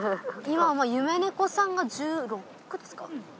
今夢猫さんが１６ですか？